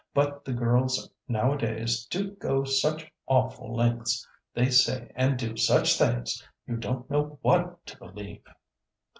But the girls nowadays do go such awful lengths; they say and do such things, you don't know what to believe."